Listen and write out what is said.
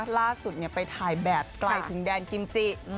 ล่าสุดไปถ่ายแบบไกลถึงแดนกิมจิ